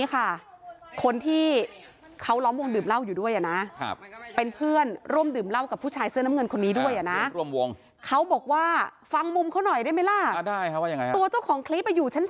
บางทีมันเปิดเพลงมันโครงมันลงมาข้างล่างเลย